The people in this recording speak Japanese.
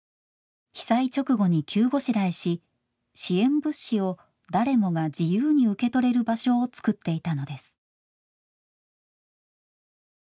被災直後に急ごしらえし支援物資を誰もが自由に受け取れる場所をつくっていたのです。